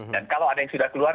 dan kalau ada yang sudah keluar